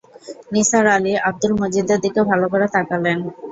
নিসার আলি আব্দুল মজিদের দিকে ভালো করে তাকালেন।